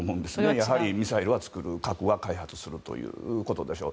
やはりミサイルは作るし核は開発するということでしょう。